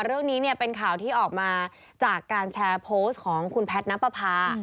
เรื่องนี้เนี่ยเป็นข่าวที่ออกมาจากการแชร์โพสต์ของคุณแพทย์นับประพา